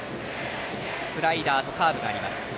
スライダーとカーブがあります。